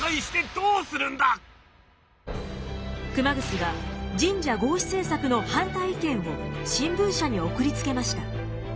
熊楠は神社合祀政策の反対意見を新聞社に送りつけました。